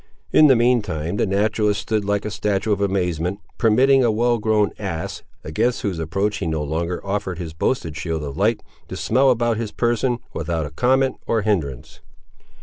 In the mean time the naturalist stood like a statue of amazement, permitting a well grown ass, against whose approach he no longer offered his boasted shield of light, to smell about his person, without comment or hinderance.